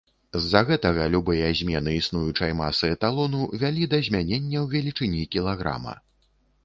З-за гэтага любыя змены існуючай масы эталону вялі да змяненняў велічыні кілаграма.